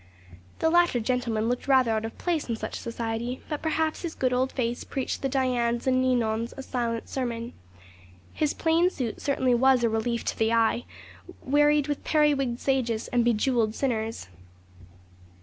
The latter gentleman looked rather out of place in such society; but, perhaps, his good old face preached the Dianes and Ninons a silent sermon. His plain suit certainly was a relief to the eye, wearied with periwigged sages and bejewelled sinners.